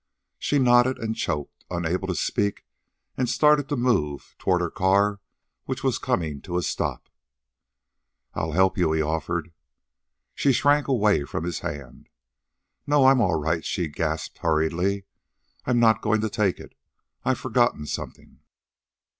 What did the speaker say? She nodded and choked, unable to speak, and started to move toward her car which was coming to a stop. "I'll help you," he offered. She shrank away from his hand. "No; I'm all right," she gasped hurriedly. "I'm not going to take it. I've forgotten something."